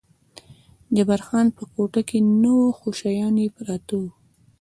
جبار خان په کوټه کې نه و، خو شیان یې پراته و.